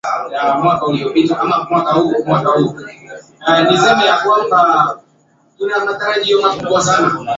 Hutokea hasa baada ya kunyesha kwa mvua kubwa na ya kipindi kirefu kinachosababisha mafuriko